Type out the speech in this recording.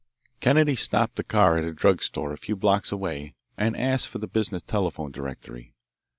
Kennedy stopped the car at a drug store a few blocks away and asked for the business telephone directory.